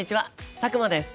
佐久間です。